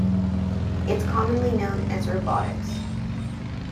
It is commonly known as "Robotics".